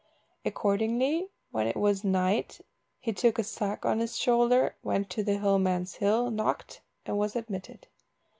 Accordingly, when it was night, he took a sack on his shoulder, went to the hill man's hill, knocked, and was admitted.